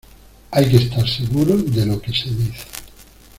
hay que estar seguro de lo que se dice